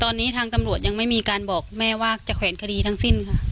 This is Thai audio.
ตอนนี้ทางตำรวจยังไม่มีการบอกแม่ว่าจะแขวนคดีทั้งสิ้นค่ะ